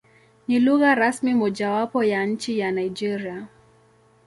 Ni lugha rasmi mojawapo ya nchi ya Nigeria.